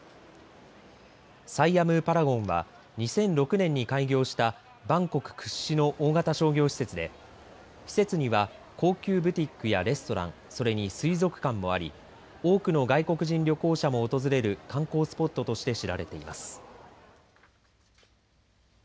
サイアム・パラゴンは２００６年に開業したバンコク屈指の大型商業施設で施設には高級ブティックやレストラン、それに水族館もあり多くの外国人旅行者も訪れる観光スポットとして知られています。